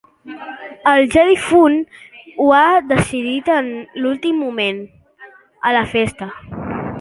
El ja difunt ho ha decidit en l'últim moment, a la festa.